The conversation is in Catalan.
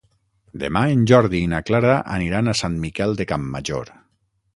Demà en Jordi i na Clara aniran a Sant Miquel de Campmajor.